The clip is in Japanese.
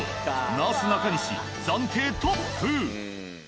なすなかにし暫定トップ。